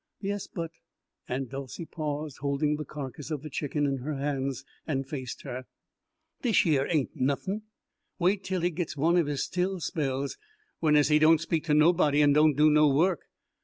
"Yes, but " Aunt Dolcey paused, holding the carcass of the chicken in her hands, and faced her. "Dishyer ain' nuthin'. Wait tell he gits one his still spells, whenas he doan' speak ter nobody an' doan' do no work.